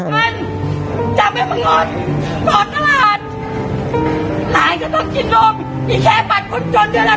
มันจำให้มันงดปลอดกระหลาดลายก็ต้องกินลมมีแค่ปัดคนจนเยอะละ